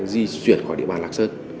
di chuyển khỏi địa bàn lạc sơn